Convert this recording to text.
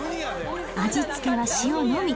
味付けは塩のみ。